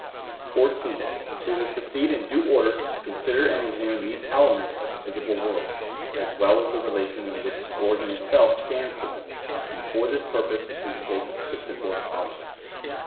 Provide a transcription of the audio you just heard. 14. We will proceed in due order to consider and examine these elements of the visible world, as well as the relation in which the organ itself stands to them, and for this purpose we take the simplest objects.